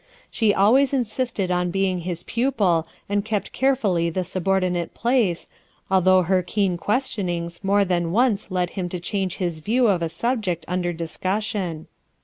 She always insisted on being his pupil and kept carefully the subordinate place, although her keen questionings more than once led him to change his view of a subject under discussion.